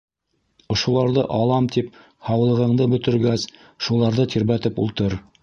- Ошоларҙы алам тип һаулығыңды бөтөргәс, шуларҙы тирбәтеп ултыр.